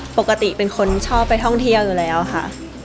ปกติเป็นคนชอบไปท่องเที่ยวอยู่แล้วค่ะ